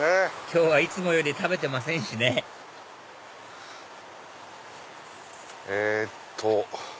今日はいつもより食べてませんしねえっと。